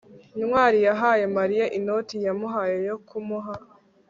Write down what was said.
ntwali yahaye mariya inoti namuhaye yo kumuha